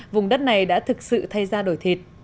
vùng đất này đã thực sự thay ra đổi thịt